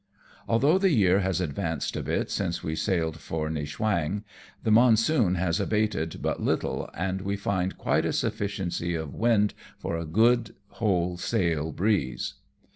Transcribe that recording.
Although the year has advanced a bit since we sailed for Niewchwang, the monsoon has abated but little, and we find quite a sufficiency of wind for a good whole sail breeze.